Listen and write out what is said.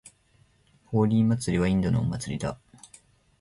ホーリー祭はインドのお祭りだ。